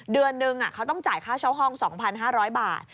เดือนนึงเขาต้องจ่ายค่าเช่าห้อง๒๕๐๐บาท